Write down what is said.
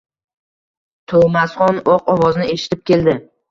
To’masxon o’q ovozini eshitib keldi.